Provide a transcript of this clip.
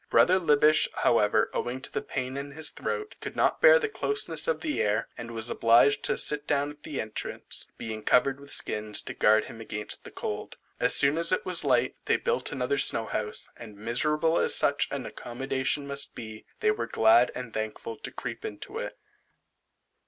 Brother Liebisch, however, owing to the pain in his throat, could not bear the closeness of the air, and was obliged to sit down at the entrance, being covered with skins, to guard him against the cold. As soon as it was light, they built another snow house, and miserable as such an accommodation must be, they were glad and thankful to creep into it.